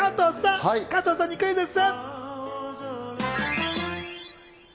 加藤さんにクイズッス。